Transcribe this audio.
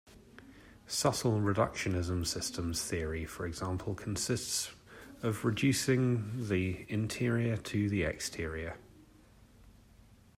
Subtle reductionism-systems theory, for example-consists of reducing the interior to the exterior.